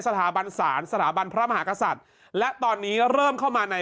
สถาบันศาลสถาบันพระมหากษัตริย์และตอนนี้เริ่มเข้ามาใน